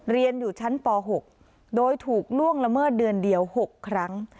เรียนอยู่ชั้นป๖โดยถูกล่วงละเมิดเดือนเดียว๖ครั้ง